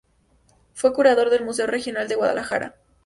Fue curador del Museo Regional de Guadalajara.